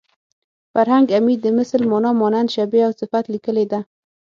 فرهنګ عمید د مثل مانا مانند شبیه او صفت لیکلې ده